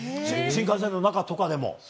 新幹線の中とかでも？